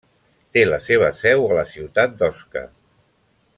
Té la seva seu a la ciutat d'Osca.